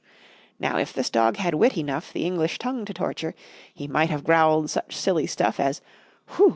Now, if this dog had wit enough The English tongue to torture, He might have growled such silly stuff As, "Whew!